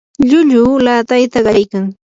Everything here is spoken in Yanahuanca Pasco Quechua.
llulluu laatayta qallaykan.